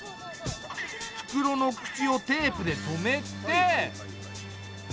袋の口をテープで留めて。